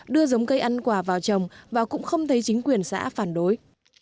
đưa giống cây ăn quả vào trồng và cũng không thấy chính quyền xã phản đối